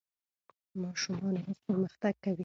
ماشومان اوس پرمختګ کوي.